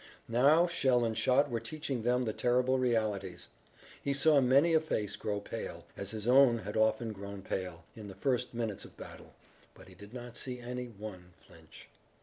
Now shell and shot were teaching them the terrible realities. He saw many a face grow pale, as his own had often grown pale, in the first minutes of battle, but he did not see any one flinch.